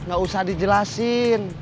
gak usah dijelasin